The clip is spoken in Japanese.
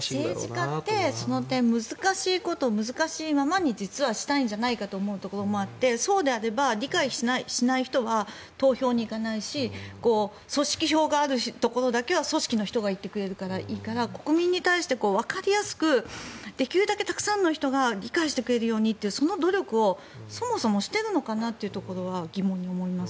政治家ってその点難しいことを難しいままに実はしたいんじゃないかと思うところもあってそうであれば理解しない人は投票に行かないし組織票があるところだけは組織の人が行ってくれればいいから、国民に対してわかりやすくできるだけたくさんの人が理解してくれるようにというその努力をそもそもしているのかなというところは疑問に思います。